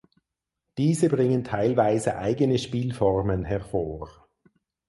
Diese bringen teilweise eigene Spielformen hervor.